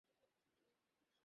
জানি না তখন তুমি কোথায় ছিলে।